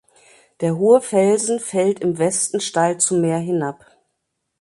Der hohe Felsen fällt im Westen steil zum Meer hin ab.